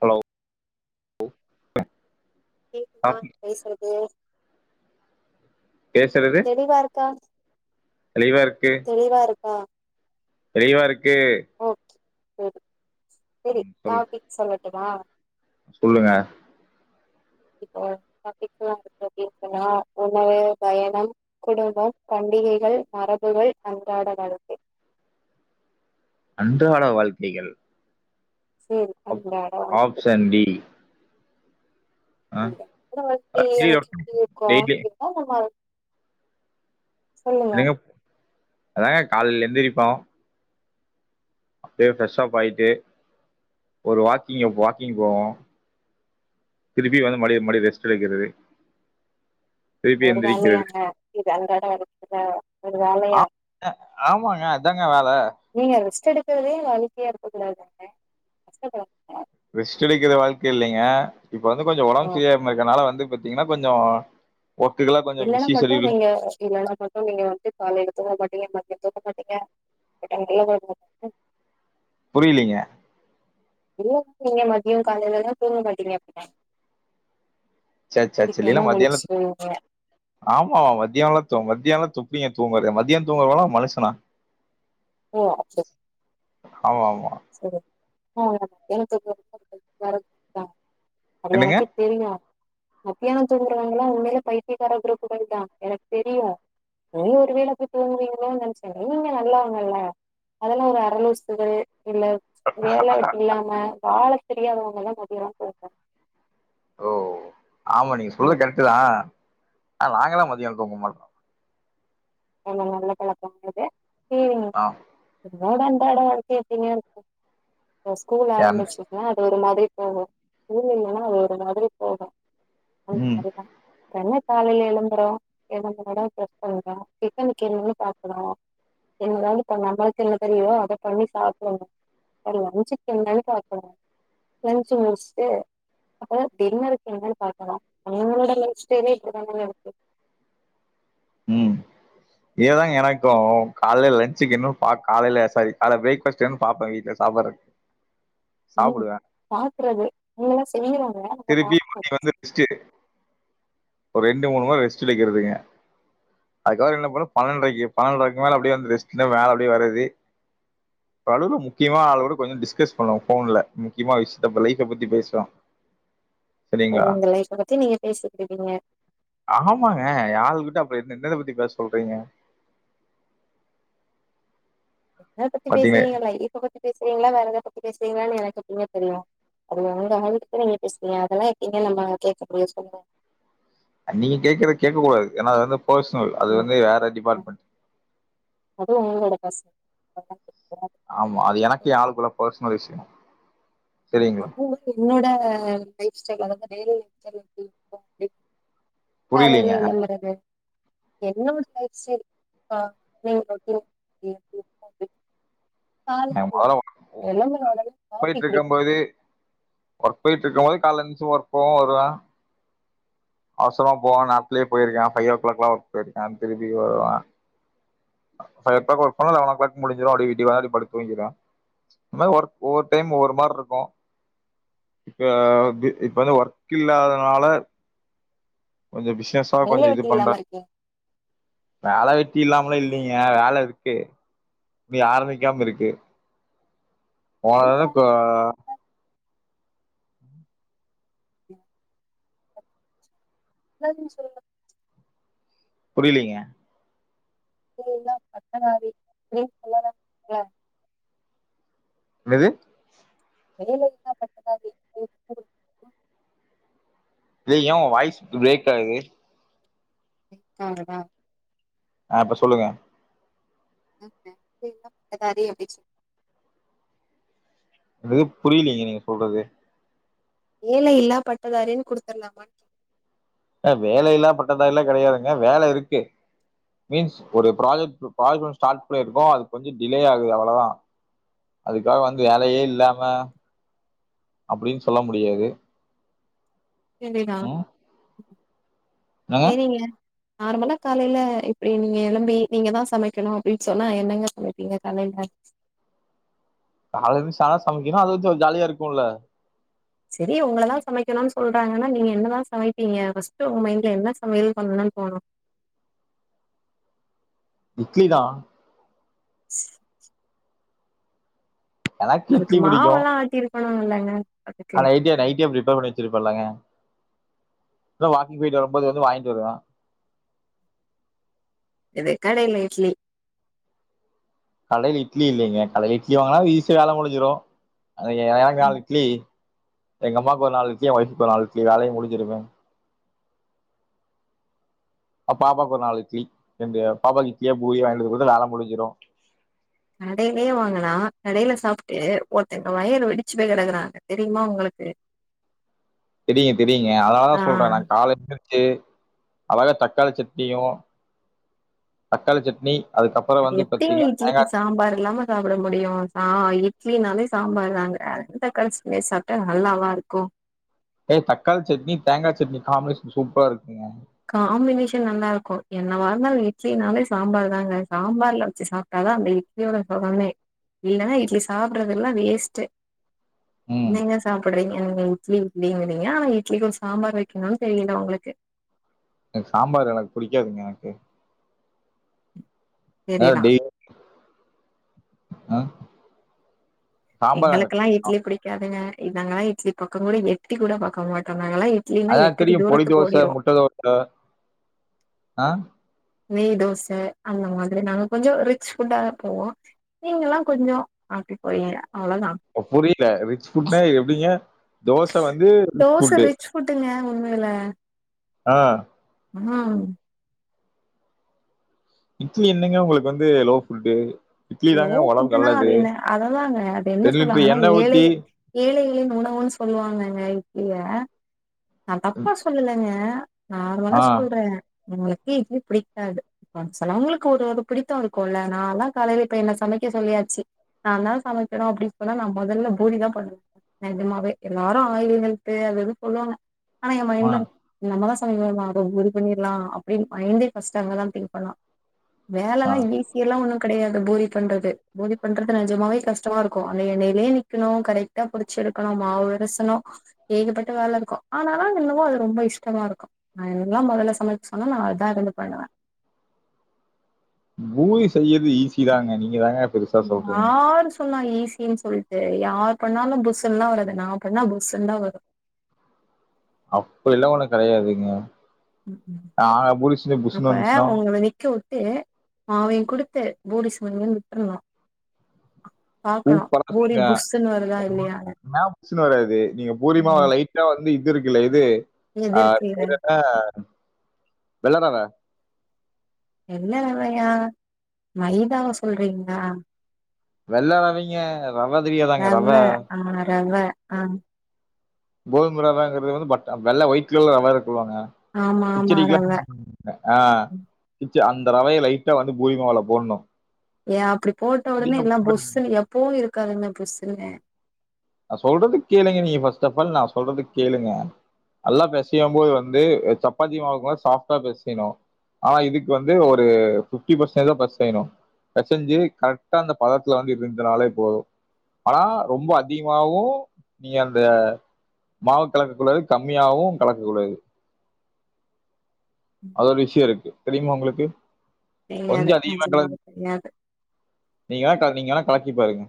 Hello கேக்குதா பேசுறது பேசுறது தெளிவா இருக்கா தெளிவா இருக்கு ஆ தெளிவா இருக்கு போது சேரி சொல் டாபிக் சொல்லு ஓகே வா சொல்லுங்க இப்போ டாபிக்கெல்லாம் [unintelligible] உணவு பயணம் குடும்பம் பண்டிகைகள் மரபுகள் அன்றாட வாழ்க்கை அன்றாட வாழ்க்கைகள் சரி அ அன்றாட வாழ்க்கை ஆப்ஷன் டி அன்றாட வாழ்க்கை எனக்கு எப்டி இருக்கும் டெய்லி அப்டின்னா நம்ம சொல்லுங்க என்னங்க அதாங்க காலைல எந்திருப்போம் அப்பயே ஃப்ரெஷ் அப் ஆயிட்டு ஒரு வாக்கிங் வாக்கிங் போவோம் திருப்பி வந்து மடிய மடியும் ரெஸ்ட் எடுக்கிறது திருப்பி ஒரு எந்திரிக்கிறது வேலையாங்க இது அன்றாட வாழ்க்க தான் ஆ ஆமாங்க அதாங்க வேலை க்றதே ஒரு வாழ்க்கையா இருக்கக்கூடாதுங்க கஷ்டப்படும் ரெஸ்ட் எடுக்கிறது வாழ்க்கை இல்லிங்க இப்ப வந்து கொஞ்ச ஆ உடம்பு சரி இல்லாம இருக்கனால வந்து பாத்தீங்கன்னா கொஞ்சே இல்லன்னா மட்டும் நீங்க இல்லன்னா மட்டும் நீங்க வந்துட்டு காலையில தூங்கமாட்டீங்க நீங்க தூங்க மாட்டீங்க புரியலீங்க இல்ல நீங்க மதியம் காலிலல்லாம் தூங்க மாட்டீங்க அப்பனா செரி செரி செரி இல்ல மத்தியானம் தூங் ஆமா ஆ மத்தியாம் மத்தியானம் தூங் இப்ப ஏன் தூங்கற மதியம் தூங்கறவலாம் மனுஷனா ஓ அப் ஆமா ஆமா ஆஹா மதியானம் தூங்குரங்காலம் அது என்னங்க எனக்கே தெரியும் மத்தியானம் தூங்குறவாங்கல்லாம் உண்மையில பைத்தியகார குரூப்புகள் தான் எனக்கு தெரியும் ஒரு வேளை போய் தூங்குவீங்களோனு நினைச்சேன் இல்ல இல்ல நல்லா நல்லா அதெல்லாம் ஒரு அரலூசூகள் இல்ல வேலை வெட்டி இல்லாம வாழ தெரியாதவங்க எல்லாம் மதியல்லாம் தூங்குவாங்க ஓவ் ஆமா நீங்க சொல்ற கரெக்ட்டுதான் அ நாங்கள்லா மதியோம் தூங்கமாட்டோம் ஆமா நல்ல பழக்கம் அது உம் ஆ நாடாம் பாடா வெத்தியுறுதினே இருக்கு இப்ப ஸ்கூல் ஏன்- ஆரம்புச்சுதுன்னா அது ஒரு மா திரி போகோ ஸ்கூல் இல்ல ஒரு மாதிரி போகோம் ஆஹ் ம் சரிதான் இப்பென்ன காலையில எலும்புறோம் எலும்புனதோம் பிரஷ் பண்றே டிபன்னுக்கு என்னன்னு பாக்கனோ என்னதாவது பண்ணோ நம்மளுக்கு என்ன தெரியோ அத பண்ணி சாப்புடனோ அப்றோ லன்சுக்கு என்னனு பாக்கணோ லன்சு முடிச்சுட்டு அப்புறோ டின்னருக்கு என்னனு பாக்கனோ உங்களோட லஞ்ச் டைமே இப்டி தானங்க இருக்கு உம் இதுதா எனக்கும் காலைல லன்சுக்கு என்ன பா காலையில சாரி காலைல பிரேக்பாஸ்டு என்னன்னு பாப்பே வீட்டுல சாப்பாடு உம் பாக்குறது நீங்கல்லா செய்யுறங்க அப்ப திருப்பி பாப்பே மதிய வந்து ரெஸ்ட்டு ஒரு ரெண்டு மூணு வாரோ ரெஸ்ட் எடுக்குறதுங்க அதுக்கப்புறோ என்ன பண்ணோ பன்னெண்டுரைக்கு பன்னெண்டுரைக்கு மேல அப்டியே ரெஸ்ட்ல மேல அப்டியே வருரது வலவுல முக்கியமா ஆளோட கொஞ்சோ டிஸ்கஸ் பண்ணுவோம் போன்ல முக்கியமா விஷியத்த லைஃப் பத்தி பேசுவோம் ஓ உங்க லைஃப் பத்தி நீங்க பேசு ஆமாங்க என் ஆள் கிட்ட அப்ப என்னத்த பத்தி பேச சொல்றீங்க எத பத்தி பாத்தீங்க பேசுவீங்க லைப்ப பத்தி பேசுவீங்களா வேற எதா பத்தி பேசு வீங்களான்னு எனக்கு எப்டிங்க தெரியோ அது உங்க ஆளுக்கூட நீங்க பேசுறீங்க அதெல்லா எப்டீங்க நம்மலால கேக்கமுடிம் சொல்லுங்க நீங்க கேட்குற கேக்க கூடாது ஏன்னா அது வந்து பெர்சனல் அது ம் வந்து வேற ம் டிபார்ட்மெண்ட் அதுவு உங்களோட பர்சனல் கூடாது ஆமா அது எனக்கும் என் ஆளுக்கும் உள்ள பர்சனல் விஷியோம் என்னோட லைஃப் ஸ்டைல் வந்து மேரஜல் எப்டி இருக்கோ அப்டி புரியலீங்க. காலையில எல்லா கெடையாது என்னோட லைஃப்ஸ்டைல் [unintelligible] நான் காலைக்கு முதல்ல ஒர்க் எலும்புன ஒடனே காஃபி போயிட்டு குடிக் இருக்கும்போது ஒர்க் போயிட்டுருக்கும் போதே காலைல எழுச்சு ஒர்க் போவ வருவே அவசரமா போவே நாட்டுலயே போயிருக்கே ஃபைவ் ஓ கிளாக்லா ஒர்க் போயிருக்கே திரும்பி வருவே ஃபைவ் ஓ கிளாக் ஒர்க் போனா லெவன் ஓ கிளாக் முடிஞ்சிடோ அப்டியே வீடுவாங்க அப்டியே படுத்து தூங்கிடுவே இந்த மாரி ஒர்க் ஒவ்வொரு டைம் ஒவ்வொரு மாரி இருக்கோ இப்ப இப்ப வந்து ஒர்க் இல்லாதனால கொஞ்சோ பிசினஸா மேல கொஞ்சோ இது வெட்டி பண்றே இல்லாம இருக்கே வேல வெட் டி இல்லாமலா இல்லிங்க வேல இருக்கு போய் ஆரம்பிக்காமயிருக்கு போன என்னங்க தட நா எதோ சொல்ல புரியலிங்க வேலையில்லா பட்டதாரி த்ரீ சொல்லலாங்களா என்னது வேலையில்லா பட்டதாரி [unintelligible] இ ஏன் வாய்ஸ் பிரேக் ஆகுது பிரேக் ஆகுதா ஆஹ் இப்ப சொல்லுங்க வேலையில்லா பட்டதாரி அப்டினு இது புரியலீங்க நீங்க சொல்றது வேலையில்லா பட்டதாரின்னு குடுத்துர்லாமான்னு கேக் ஹ வேல இல்லா பட்டதாரி எல்லாம் கிடையாதுங்க வேல இருக்கு மீன்ஸ் ஒரு ப்ராஜெக்ட் ப்ராஜெக்ட் ஒன்னு ஸ்டார்ட் பண்ணிருக்கோம் அது கொஞ்சோ டிலே ஆகுது அவ்வளவுதான் அதுக்காக வந்து வேலையே இல்லாம அப்படின்னு சொல்ல முடியாது செரினா ம் என்னங்க செரிங்க நார்மலா காலையில இப்படி நீங்க எழும்பி நீங்க தான் சமைக்கணும் அப்படின்னு சொன்னா என்னங்க சமைப்பீங்க கலையில காலைல எழுந்து சாதம் சமைக்கனும் அது வச்சும் ஜாலியா இருக்கும்ல்ல செரி உங்களதான் சமைக்கணும்னு சொல்றாங்கன்னா நீங்க என்னதான் சமைப்பீங்க ஃபஸ்ட் உங்க மைண்ட்ல என்ன சமையல் பண்ணணும்னு தோணும் இட்லி தான் [unintelligible] எனக்கு இட்லி புடிக்கும் பண்ணனுலாங்க ஆ நைட்டே நைட்டே பிர்பர் பண்ணி வச்சிருப் பலாங்க வாக்கிங் போயிட்டு வரும்போது வந்து வாங்கிட்டு வருவேன் என்னது கடையில இட்லி கடையில இட்லி இல்லைங்க கடையில இட்லி வாங்கனா ஈசியா வேலை முடிஞ்சிடும் அது எனக்கு நாலு இட்லி எங்க அம்மாவுக்கு ஒரு நாளு இட்லி ஒய்ஃப்க்கு ஒரு நாலு இட்லி வேலையும் முடிஞ்சிரும்மே அ பாப்பாக்கு ஒரு நாளு இட்லி இந்த பாப்பாக்கு இட்லியா பூரியா வாங்கிகொடுத்தா வேல முடிஞ்சிடும் கடையிலயே வாங்கனா கடையில சாப்பிட்டு ஒருத்தங்க வயறுவெடிச்சு போய் கெடக்குறாங்க தெரியுமா உங்களுக்கு தெரியும் தெரியுங்க அதனால தான் ஆ சொல்றேன் நான் காலேஜ் அழகா தக்காளி சட்னியும் தக்காளி சட்னி அதுக்கப்புறோ அ வந்து எப்படிங்க பாத்தீங்கன்னா தேங்கா இட்லிக்கு சாம்பார் இல்லாம சாப்ட முடியும் ஆஹ்ட் இட்லினாலே சாம்பார் தாங்க அந்த தக்காளி சட்னி சாப்பிட்டா நல்லாவா இருக்கும் ஏய் தக்காளி சட்னி தேங்காய் சட்னி காம்பினேஷன் சூப்பரா இருக்கும் காம்பினேஷன் நல்லா இருக்கும் என்னவ இருந்தாலும் இட்லினாலே சாம்பார் தாங்க சாம்பார்ல வச்சு சாப்பிட்டாதான் அந்த இட்லியோட சுகமே இல்லைன்னா இட்லி சாப்பிடுறது எல்லாம் வேஸ்ட்டு ம் நீங்க சாப்பிடுறீங்க நீ இட்லி இட்லிங்கீறீங்க ஆனா இட்லிக்கு ஒரு சாம்பார் வைக்கணும்னு தெரியல உங்களுக்கு எனக்கு சாம்பார் எனக்கு புடிக்காதுங்க எனக்கு தெரிதா [unintelligible] சாம்பார் எங்களுக்கெல்லாம் இட்லி புடிக்காதுங்க நாங்க எல்லாம் இட்லி பக்கம் கூட எட்டி கூட பாக்க மாட்டோம் அத தெரியும் பொலி தோச முட்ட தோச ஹ நெய் தோச அந்த மாதிரி நாங்க கொஞ்ச ரிச் ஃபுட்டா போவோ நீங்கல்லா கொஞ்ச ஆப்டி போயீங்க புரியல ரிச் ஃபுட்னா எப்டிங்க தோச வந்து ஃபுட்டு உண்மேல ஆஹ் ஹம் இட்லி என்னங்க உங்களுக்கு வந்து லோ ஃபுட்டு இட்லி தாங்க ஒடம்புக்கு லோபுட்டுனா அது நல்லது என்ன அததாங்க அது என்ன ரெண்டு லிட்டர் சொல்வாங்கனா எண்ணெ ஊத்தி ஏழைகள் ஏழை உணவுனு சொல்லுவாங்கங்க இட்லிய நா தப்பா சொல்லுலங்க நார்மலா ஆ சொல்ற உமக்கே இட்லி பிடிக்காது ஒன் சொலவுங்களுக்கு ஒடு ஒடு பிடித்தம் இருக்கும்ல நாலா காலையில இப்ப என்ன சமைக்க சொல்லியாச்சு நாதா சமக்கனும் அப்டி சொன்னா நா மொதல்ல பூரிதா பண்ணுவே நெஜமாவே எல்லாரு ஆயிலு ஹேல்து அதுது சொல்வாங்க ஆன ஆ ஏமைண்ட்ல நம்பதா [inaudible] பண்ணிர்லா அப்டின்னு மைண்டே ஃபர்ஸ்ட்டு அங்கதா திங்க் பண்ணும் ஆ வேலலா ஈசிலா ஒண்ணு கெடயாது பூரி பண்றது பூரி பண்றது நிஜமாவே கஷ்டமா இருக்கு அந்த எண்ணயிலே நிக்கணு கரெக்டா புடிச்சு எடுக்கணு மாவுவொரசணு ஏகப்பட்ட வேல இருக்கு ஆனாலு அது என்னவோ அரு ரொம்ப இஷ்டமா இருக்கு நா எல்லா மண்ணுல சமச்சாலு நா அதா இருந்து பண்ணுவ பூரி செய்ரது ஈஸி தாங்க நீங்க தாங்க பெருசா சொல்றீங்க யாரு சொன்ன ஈஸின் சொல்ட்டு யார் பண்ணாலு புஸ்சுல்லா வராது நா பண்ணா புஸ்சுன்தா வரு அப்டிலா ஒன்னு கெடயாதுங்க உம் அப்ப வந்துச்சுன்னா ஒங்கள நிக்க விட்டு மாவயும் குடுத்து பூரிசுடுங்க விட்ருனு சூப்பரா வருங்க இல்லையானு ன்னா புஷ்ணு வராது நீங்க பூரிமாவ ம் லைட்டா வந்து இது இருக்குல இது அஹ் அது எதிர்க்குல்ல பேரன்ன வெள்ள ரவ [unintelligible] என்ன ரவையா மைதாவ சொல்றீங்களா வெள்ளரவைங்க ரவ தெரியாதாங்க ரவ ஆஹ் கோதும ரவங்கறது பட்ட வெள்ள ஒயிட் கலர்ல ரவ இரு சொல்வாங்க ஆமா [inaudible] ஆமா கிச்சடி ரவ அ அந்த ரவய லைட்டா வந்து பூரிமாவுல போணும் யா அப்டி போட்ட ஒடனே எல்லா பொஸ்ன்னு எப்போ இரு கன புஷ்சுனு [unintelligible] நா சொல்றத கேளுங்க நீங்க ஃபர்ஸ்ட் ஆஃப் ஆல் நா சொல்றத கேளுங்க நல்லா பெசையும்போது வந்து சப்பாத்தி மாவுக்குமது சாப்டா பெசைணும் ஆ இதுக் வந்து ஒரு பிப்டி பர்சன்ட்தா பேசைணு பேசஞ்சு கரெக்டா அந்த பதத்வம்பிருந்தனாலே போதும் ஆனா ரொம்ப அ அதிகமவும் நீ அந்த.. மாவா கலக்க கூடாது கம்மியவு கலக்ககூடாது அதோ ஒரு விஷயம் இருக்கு தெரியுமா உங்களுக்கு கொஞ்ச தெரியாது அதிகமா கல நஞ்சமாவ தெரியாது நீங்க வே நீங்க வேணா கலக்கி பாருங்க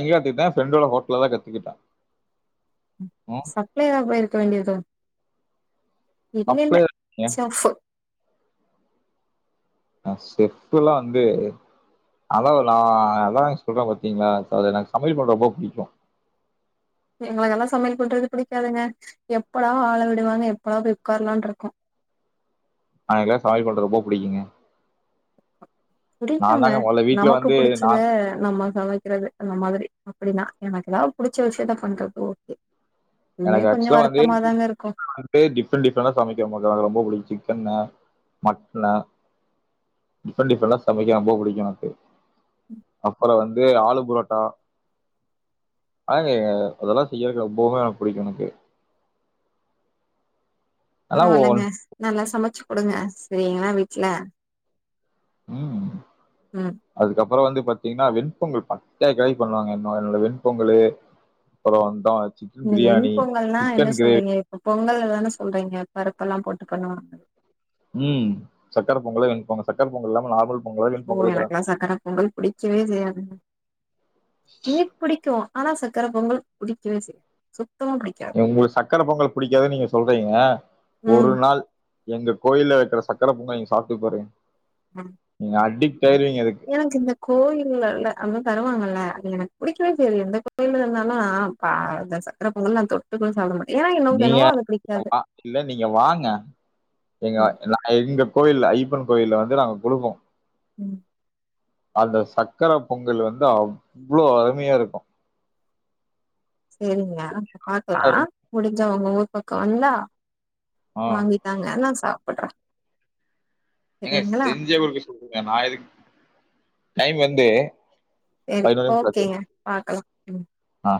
எங்கான பிரண்டோட ஹோட்டல தான் கத்துக்கிட்டேன் சப்ளை ஏதாவ போயிருக்க வேண்டியதோ இன இல்ல சப்ளையர் சப்பு ஹ செப்ல்லாம் வந்து அதான் நான் அதான் சொல்றேன் பாத்தீங்களா எனக்கு சமையல் பண்றப்போ பிடிக்கும் எங்களுக்கு எல்லாம் சமையல் பண்றது பிடிக்காதுங்க எப்படா ஆளை விடுவாங்க எப்படா போய் உட்காரலாம் இருக்கும் அன எல்லாம் சமையல் பன்ன ரொம்ப பிடிக்குங்க புடிக்குங்க நமக்கு நா புடிச்சது நமக்கு சமைக்கிறது அந்த மாதிரி அப்படின்னா எனக்கு ஏதாவது புடிச்ச விஷயத்த பண்றது ஓகே இன்னுமே எனக்கு கொஞ்சோ ஆக்சுவலா வந்து வருத்தமாதாங்க இருக்கு வந்து டிஃப்ரெண்ட் டிஃப்ரெண்ட் சமைக்க எனக்கு ரொம்ப பிடிக்கும் சிக்கன்ன மட்ட டிஃப்ரெண்ட் டிஃப்ரெண்ட சமைக்கும் ரொம்ப பிடிக்கும் எனக்கு அப்புறம் வந்து ஆளு புரோட்டா அதெல்லாம் செய்யறக்கு ரொம்பவுமே என பிடிக்கும் எனக்கு ஆனா பரவாயில்ங்க ஒன் [unintelligible] நல்லா சமைச்சு கொடுங்க சரிங்களா வீட்டுல உஹம் [unintelligible] உம் அப்புறம் வந்து பார்த்தீங்கன்னா வெண்பொங்கல் பட்டா கெடை பண்ணுவாங்க இன்ன என்ன வெண்பொங்கு அப்புறம்ந்தான் வெண்பொங்கல்னா என்ன சொல்றீங்க இப்போ பொங்கல்ல தானே சொல்றீங்க பருப்பெல்லாம் போட்டு பண்ணுவாங்க உம் சக்கர பொங்கலப்பாங்க சக்கர பொங்கல் இல்லாம நார்மல் பொங்கலோ ஓ வெண்பொங்கலுங்கிறேன். எனக்குல்லாம் சக்கர பொங்கல் பிடிக்கவே செய்யாது பிடிக்கும் ஆனா சக்கர பொங்கல் புடிக்கவே செய் [unintelligible] உங்களுக்கு சக்கரை பொங்கல் பிடிக்காதுன்னு நீங்க சொல்றீங்க ஒரு ம் நாள் எங்க கோயில்ல வைக்கிற சக்கர பொங்கல் நீங்க சாப்ட்டு பாருங்க நீங்க அடிக்ட் ஆயிருவீங்க அதுக்கு. எனக்கு இந்த கோயில்ல ல அங்க தருவாங்க ல அது எனக்கு பிடிக்கவே செய்யாது எந்த கோயில இருந்தாலும் அ ப சக்கர பொங்கல் நான் தொட்டுக்கூட சாப்ட மாட்டேன் நீங்க இல்ல நீங்க வாங்க எங்க ம் நான் எங்க கோயில் ஐப்பன் கோயில வந்து நாங்க குடுப்போம் உம் அந்த சக்கர பொங்கல் வந்து அவ்ளோ அருமையா இருக்கும் சேரிங்க பாக்கலாம் முடி உங்க ஊர் பக்கம் வந்தா அ. வாங்கி தாங்க நான் சாப்பிடுறேன் ஏங்க செஞ்ச குடுக்க சொல்லுங்க நான் எதுக் டைம் வந்து சரி நிமிஷம் ஆச்சு. ஓகேங்க பாக்கலாம் ஆ.